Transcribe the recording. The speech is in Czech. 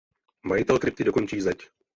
Majitel krypty dokončí zeď.